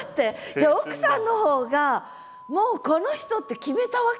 じゃあ奥さんのほうがもうこの人って決めたわけ？